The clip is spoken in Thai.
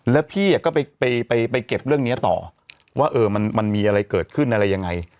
แล้วพี่ก็ไปเก็บเรื่องนี้ต่อว่ามันมีอะไรเกิดขึ้นอะไรยังไง